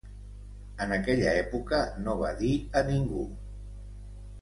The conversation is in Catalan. En aquella època no va dir a ningú.